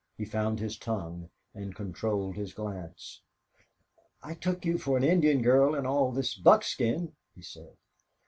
He found his tongue and controlled his glance. "I took you for an Indian girl in all this buckskin," he said.